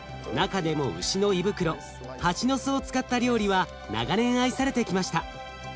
中でも牛の胃袋ハチノスを使った料理は長年愛されてきました。